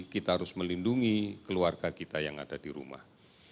kita harus melindungi keluarga kita yang ada di rumah